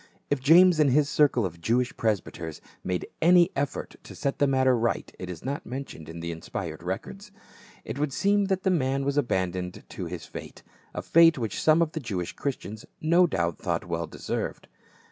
If James and his circle of Jewish presbyters made any effort to set the matter right it is not men tioned in the inspired records. It would seem that the man was abandoned to his fate, a fate which some of the Jewish Christians no doubt thought well deserved.